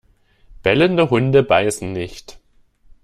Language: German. Bellende Hunde beißen nicht!